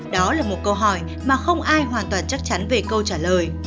đó là một câu hỏi mà không ai hoàn toàn chắc chắn về câu trả lời